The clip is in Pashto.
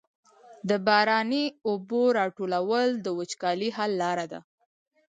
د باراني اوبو راټولول د وچکالۍ حل لاره ده.